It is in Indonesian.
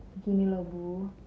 begini loh bu